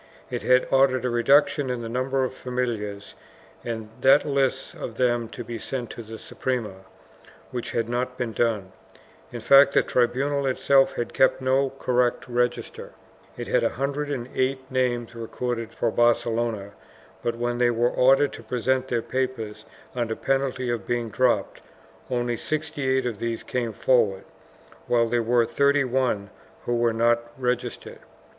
It had ordered a reduction in the number of familiars and that lists of them be sent to the Suprema, which had not been done; in fact the tribunal itself had kept no correct register; it had a hun dred and eight names recorded for Barcelona, but when they were ordered to present their papers under penalty of being dropped, only sixty eight of these came forward, while there were thirty one who were not registered.